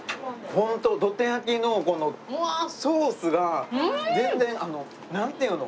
ホントどて焼きのこのソースが全然なんていうの？